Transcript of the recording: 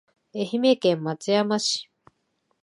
愛媛県松山市